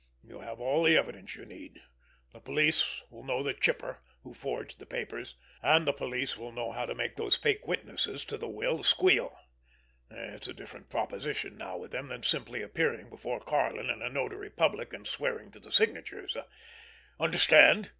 You have all the evidence you need. The police will know the Chipper, who forged the papers; and the police will know how to make those fake witnesses to the will squeal—it's a different proposition now with them than simply appearing before Karlin and a notary public and swearing to the signatures. Understand?"